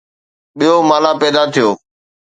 ٻيو مالا پيدا ٿيو